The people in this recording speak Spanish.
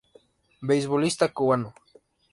Beisbolista cubano.